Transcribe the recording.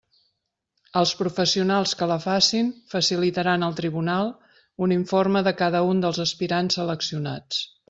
Els professionals que la facin facilitaran al tribunal un informe de cada un dels aspirants seleccionats.